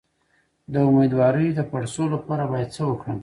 د امیدوارۍ د پړسوب لپاره باید څه وکړم؟